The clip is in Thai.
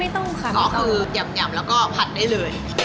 ไม่ต้องค่ะไม่ต้องอ๋อคือยำแล้วก็ผัดได้เลย